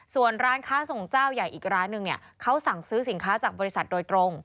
ส่วนร้านค้าส่งเจ้าใหญ่อีกร้านหนึ่งเนี่ยเขาสั่งซื้อสินค้าจากบริษัทโดยตรง